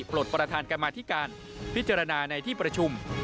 ปลดประธานกรรมาธิการพิจารณาในที่ประชุม